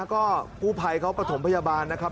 ก็กู้ไภเขาปฐมพยาบาลนะครับ